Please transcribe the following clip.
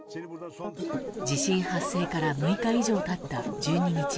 地震発生から６日以上経った１２日